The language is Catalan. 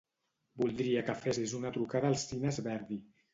Voldria que fessis una trucada als cines Verdi.